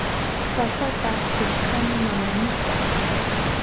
Tasata kushkani mamaynita.